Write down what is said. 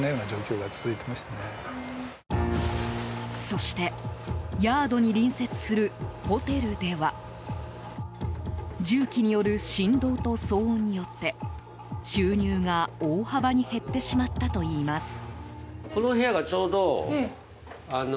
そしてヤードに隣接するホテルでは重機による振動と騒音によって収入が大幅に減ってしまったといいます。